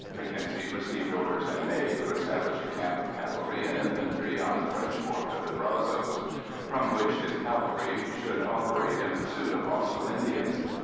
Mackenzie received orders in May to establish a camp of cavalry and infantry on the Fresh Fork of the Brazos, from which his cavalry should operate in pursuit of hostile Indians.